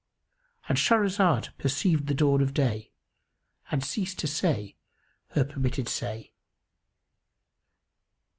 ——And Shahrazad perceived the dawn of day and ceased to say her permitted say.